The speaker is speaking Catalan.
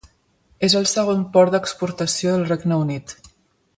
És el segon port d'exportació del Regne Unit.